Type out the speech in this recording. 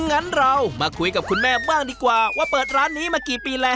งั้นเรามาคุยกับคุณแม่บ้างดีกว่าว่าเปิดร้านนี้มากี่ปีแล้ว